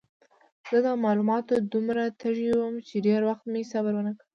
زه د معلوماتو دومره تږی وم چې ډېر وخت مې صبر ونه کړ.